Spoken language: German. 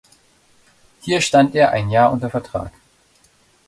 Hier stand er ein Jahr unter Vertrag.